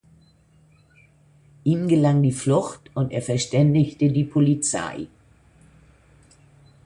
Ihm gelang die Flucht und er verständigte die Polizei.